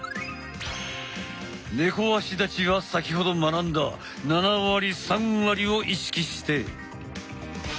猫足立ちは先ほど学んだ７割３割を意識して！